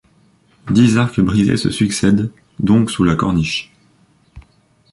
Dix arcs brisés se succèdent donc sous la corniche.